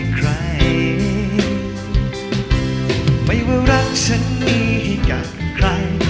เขาเห็นมากลู้